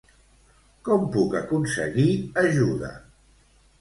Com puc aconseguir ajuda?